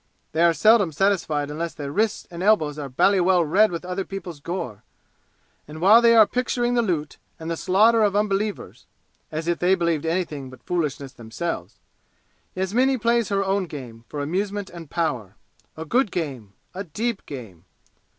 They are seldom satisfied unless their wrists and elbows are bally well red with other peoples' gore! And while they are picturing the loot, and the slaughter of unbelievers (as if they believed anything but foolishness themselves!) Yasmini plays her own game, for amusement and power a good game a deep game!